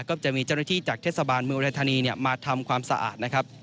ก็จะมีเจ้าหน้าที่จากเทศบาลเมืองอุรัยธานีมาทำความสะอาดนะครับ